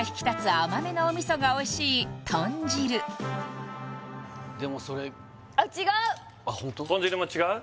甘めのお味噌がおいしい豚汁でもそれあっ豚汁も違う？